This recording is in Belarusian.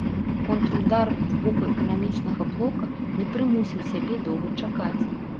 Контрудар з боку эканамічнага блока не прымусіў сябе доўга чакаць.